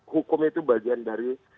hukum itu bagian dari